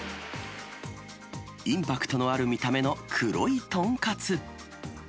インパクトのある見た目の黒い豚カツ。